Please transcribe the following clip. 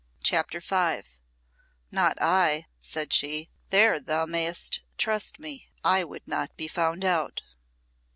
CHAPTER V "Not I," said she. "There thou mayst trust me. I would not be found out."